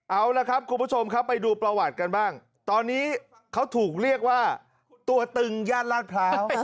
เอาละครับคุณผู้ชมครับไปดูประวัติกันบ้างตอนนี้เขาถูกเรียกว่าตัวตึงย่านลาดพร้าว